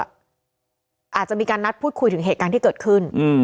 อาจจะมีการนัดพูดคุยถึงเหตุการณ์ที่เกิดขึ้น